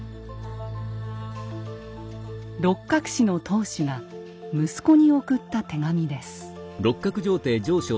六角氏の当主が息子に送った手紙です。